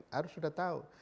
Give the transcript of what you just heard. harus sudah tahu